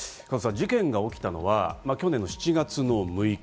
事件が起きたのは去年の７月６日。